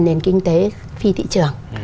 nền kinh tế phi thị trường